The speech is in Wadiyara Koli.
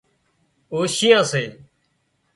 اوشيئان سي